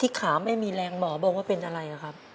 ขาไม่มีแรงหมอบอกว่าเป็นอะไรครับ